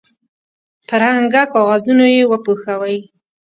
په رنګه کاغذونو یې وپوښوئ.